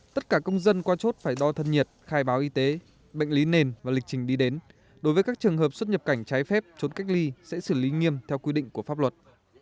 tất cả công dân qua chốt phải đo thân nhiệt khai báo y tế bệnh lý nền và lịch trình đi đến đối với các trường hợp xuất nhập cảnh trái phép chốt cách ly sẽ xử lý nghiêm theo quy định của pháp luật